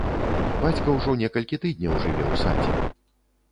Бацька ўжо некалькі тыдняў жыве ў садзе.